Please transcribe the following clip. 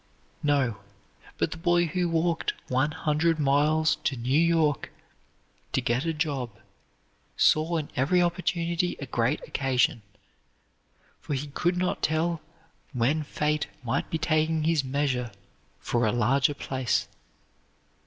No, but the boy who walked one hundred miles to New York to get a job saw in every opportunity a great occasion, for he could not tell when fate might be taking his measure for a larger place.